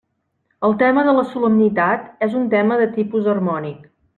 El tema de la solemnitat és un tema de tipus harmònic.